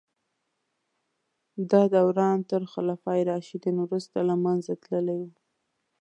دا دوران تر خلفای راشدین وروسته له منځه تللی و.